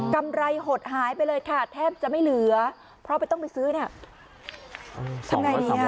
กำไรหดหายไปเลยค่ะแทบจะไม่เหลือเพราะต้องไปซื้อเนี่ย